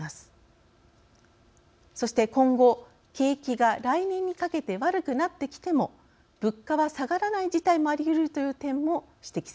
そして今後景気が来年にかけて悪くなってきても物価は下がらない事態もありうるという点も指摘されています。